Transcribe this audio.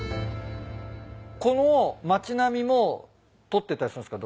この街並みも撮ってたりするんすか？